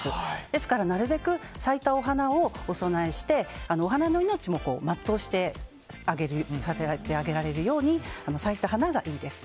ですから、なるべく咲いたお花をお供えしてお花の命も全うさせてあげられるように咲いた花がいいです。